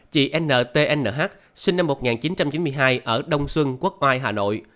một mươi bảy chị n t n h sinh năm một nghìn chín trăm chín mươi hai ở đông xuân quốc oai hà nội